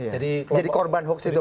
jadi korban hoax itu banyak